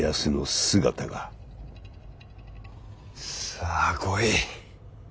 さあ来い。